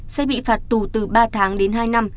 sẽ bị phạt tù từ ba tháng đến hai năm